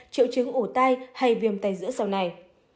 triệu chứng ủ tai hay viêm tay giữa sau này